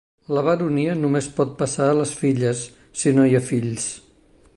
La baronia només pot passar a les filles si no hi ha fills.